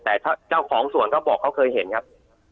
แต่เจ้าของสวนเขาบอกเขาเคยเห็นครับ